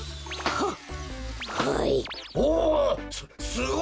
はっ！